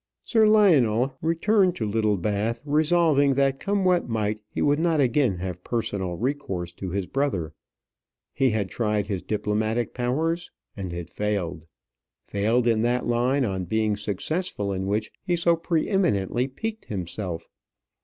Sir Lionel returned to Littlebath, resolving that come what might he would not again have personal recourse to his brother. He had tried his diplomatic powers and had failed failed in that line on being successful in which he so pre eminently piqued himself.